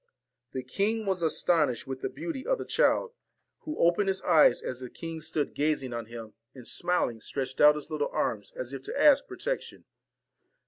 The king was astonished with the beauty of the child, 36 who opened his eyes as the king stood gazing on VALEN him, and, smiling, stretched out his little arms, as if to ask protection.